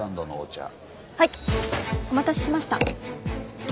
お待たせしました。